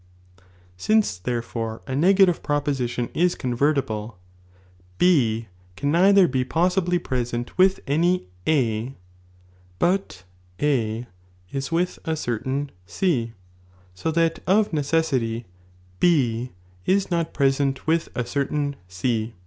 Since, therefore, a w«iu. negative proposition is convertible, B can neither be possibly present with any A, but A is with a certain C, so that of necessity B is not present with a certain C.